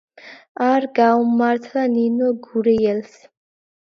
არ გაუმართლა ნინო გურიელს.